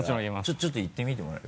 ちょっと言ってみてもらえる？